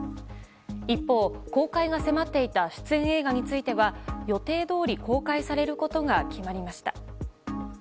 一方、公開が迫っていた出演映画については予定どおり公開されることが決まりました。